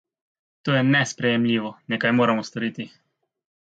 To je nesprejemljivo, nekaj moramo storiti!